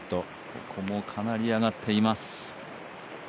ここもかなり上がっています。